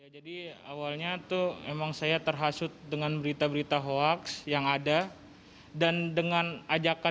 jadi awalnya itu memang saya terhasut dengan berita berita hoax yang ada dan dengan ajakan